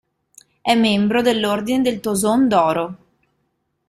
È membro dell'Ordine del Toson d'oro.